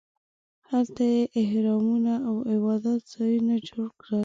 هلته یې اهرامونو او عبادت ځایونه جوړ کړل.